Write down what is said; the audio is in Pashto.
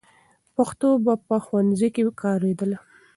پښتو به په ښوونځي کې کارېدله.